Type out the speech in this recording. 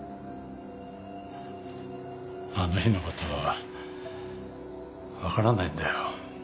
あの日の事はわからないんだよ。